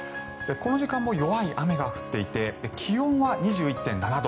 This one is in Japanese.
この時間も弱い雨が降っていて気温は２１．７度。